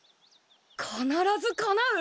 必ずかなう！？